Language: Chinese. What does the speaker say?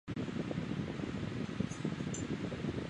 戴德洛斯以南是阿德加蓝草原以北的大草原。